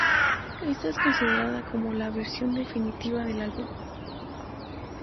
Esta es considerada como la versión definitiva del álbum.